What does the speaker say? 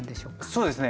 そうですね。